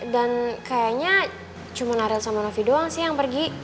dan kayaknya cuma narel sama novi doang sih yang pergi